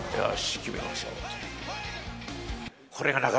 決めましょう！と。